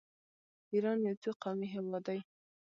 ایران یو څو قومي هیواد دی.